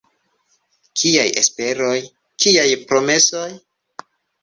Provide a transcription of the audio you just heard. Kiaj esperoj, kiaj promesoj?